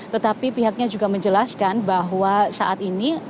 tetapi pihaknya juga menjelaskan bahwa saat ini